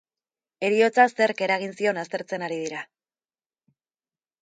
Heriotza zerk eragin zion aztertzen ari dira.